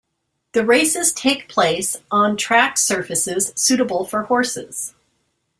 The races take place on track surfaces suitable for horses.